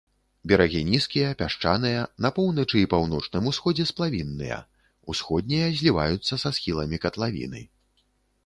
Берагі нізкія, пясчаныя, на поўначы і паўночным усходзе сплавінныя, усходнія зліваюцца са схіламі катлавіны.